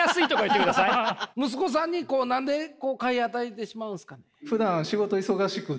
息子さんにこう何で買い与えてしまうんですかね？